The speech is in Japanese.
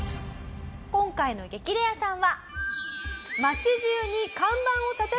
今回の激レアさんは。